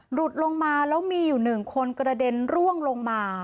หลุดลงมาแล้วมีอยู่หนึ่งคนกระเด็นร่วงลงมา